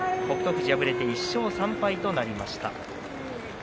富士は敗れて１勝３敗となりました。